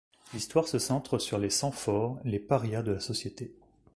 L'histoire se centre sur les sans-forts, les parias de la société.